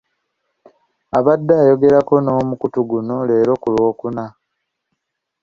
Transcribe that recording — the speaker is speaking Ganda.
Abadde ayogerako n'omukutu guno leero ku Lwokuna.